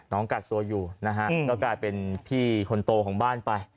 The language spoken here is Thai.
กักตัวอยู่นะฮะก็กลายเป็นพี่คนโตของบ้านไป